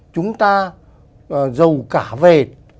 chúng ta giàu cả về tài nguyên